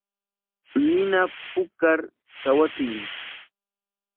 Nina puukar kawachiy.